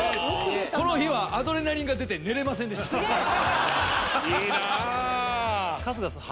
この日はアドレナリンが出て寝れませんでしたいいな春日さん